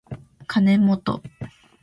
かねもと